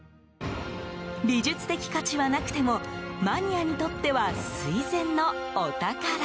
美術的価値はなくてもマニアにとっては垂涎のお宝。